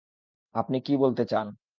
আপনি কি বলতে চান?